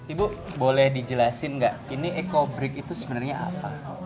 ibu boleh dijelasin enggak ini ekobrik itu sebenarnya apa